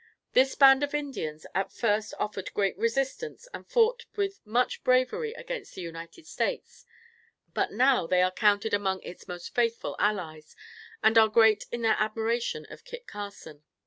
This band of Indians at first offered great resistance and fought with much bravery against the United States; but now they are counted among its most faithful allies, and are great in their admiration of Kit Carson.